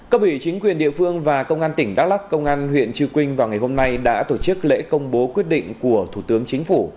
cấp ủy chính quyền địa phương và công an tỉnh đắk lắc công an huyện trư quynh vào ngày hôm nay đã tổ chức lễ công bố quyết định của thủ tướng chính phủ